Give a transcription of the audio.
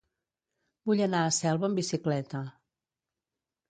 Vull anar a Selva amb bicicleta.